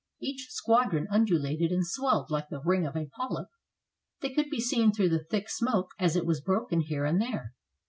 Each squadron undulated and swelled like the ring of a polyp. They could be seen through the thick smoke as it was broken here and there.